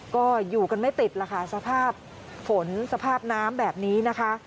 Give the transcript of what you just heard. ก็อยู่กันไม่ติดแล้วค่ะสภาพฝนสภาพน้ำแบบนี้นะคะ